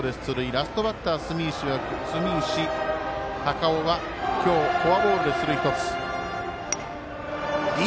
ラストバッター、住石孝雄は今日、フォアボールで出塁１つ。